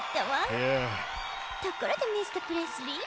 ところでミスタープレスリー。